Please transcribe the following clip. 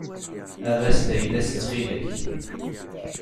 Err-as-d ayla-as ttxil-k.